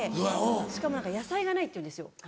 しかも「野菜がない」って言うんですよ。